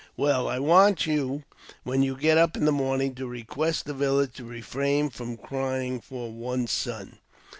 *' Well, I want you, when you get up in the morning, to re quest the village to refrain from crying for one sun.